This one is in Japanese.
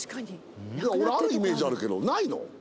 俺あるイメージあるけどないの？